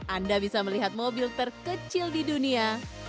anda bisa melihat mobil terkecil di dunia